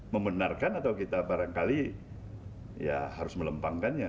membenarkan atau kita barangkali ya harus melempangkannya